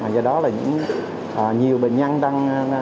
do đó là nhiều bệnh nhân đang